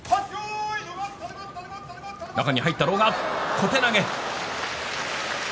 小手投げ。